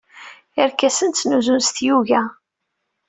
Irkasen ttnuzun s tyuga.